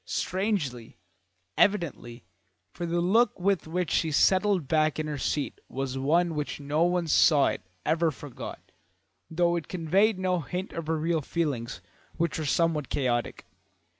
Strangely, evidently, for the look with which she settled back in her seat was one which no one who saw it ever forgot, though it conveyed no hint of her real feelings, which were somewhat chaotic.